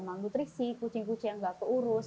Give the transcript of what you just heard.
malam nutrisi kucing kucing yang nggak keurus